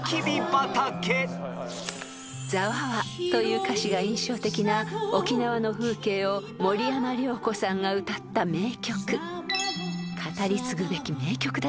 ［「ざわわ」という歌詞が印象的な沖縄の風景を森山良子さんが歌った名曲］